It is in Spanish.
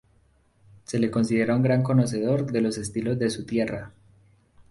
Se le considera un gran conocedor de los estilos de su tierra.